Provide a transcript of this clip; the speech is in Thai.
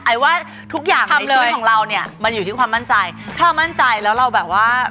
ว่าทุกอย่างคำช่วยของเราเนี่ยมันอยู่ที่ความมั่นใจถ้ามั่นใจแล้วเราแบบว่า